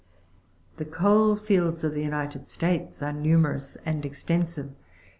19. The coal fields of the United States are numerous and ex tensive.